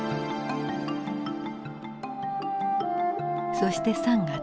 そして３月。